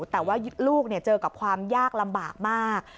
แต่ว่าลูกเจอกับความยากลำบากมาก